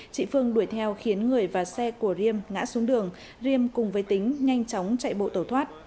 chị phương đuổi theo khiến người và xe của riêng ngã xuống đường riêm cùng với tính nhanh chóng chạy bộ tổ thoát